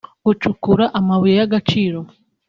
gucukura amabuye y’agaciro